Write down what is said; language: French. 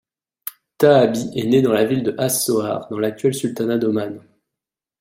Thahabi est né dans la ville de As Sohar dans l'actuel sultanat d'Oman.